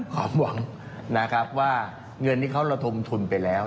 ความหวังนะครับว่าเงินที่เขาระทมทุนไปแล้ว